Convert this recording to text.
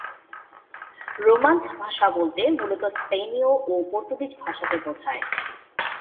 Romance ভাষা বলতে মূলত স্পেনীয় এবং পর্তুগিজ ভাষাকে বোঝায়।